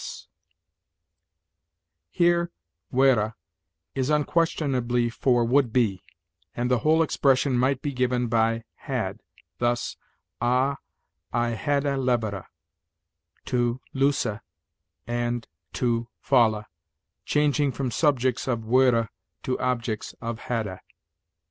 S.' "Here 'were' is unquestionably for 'would be'; and the whole expression might be given by 'had,' thus: 'Ah, I hadde levere ,' '(to) loose' and '(to) falle,' changing from subjects of 'were' to objects of 'hadde.'